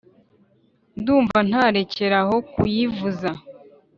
ndumva ntarekera aho kuyivuza